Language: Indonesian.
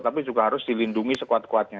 tapi juga harus dilindungi sekuat kuatnya